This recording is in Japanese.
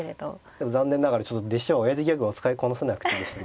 でも残念ながらちょっと弟子はおやじギャグを使いこなせなくてですね